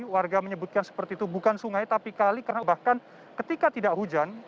warga menyebutkan seperti itu bukan sungai tapi kali karena bahkan ketika tidak hujan